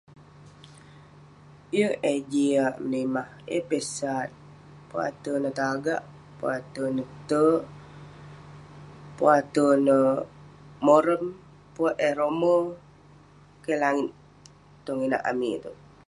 Yeng eh jiak menimah, yeng peh sat. Pun ate neh tagak, pun ate neh tek, pun ate neh morem, pun eh rome. Keh langit tong inak amik iteuk.